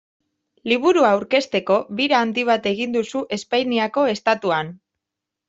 Liburua aurkezteko bira handi bat egin duzu Espainiako Estatuan.